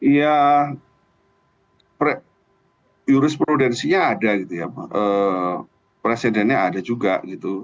ya jurisprudensinya ada gitu ya presidennya ada juga gitu